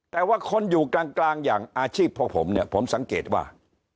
แต่ว่าคนอยู่กลางอย่างอาชีพพวกผมเนี่ยผมสังเกตว่า